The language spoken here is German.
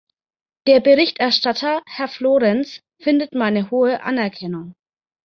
Der Berichterstatter, Herr Florenz, findet meine hohe Anerkennung.